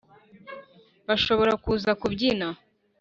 bashobora kuza kubyina